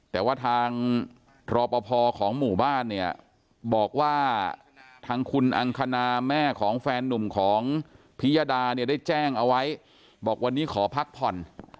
ทางคุณอังคณาแม่ของแฟนนุ่มของพิยดาเนี่ยได้แจ้งเอาไว้บอกวันนี้ขอพักผ่อน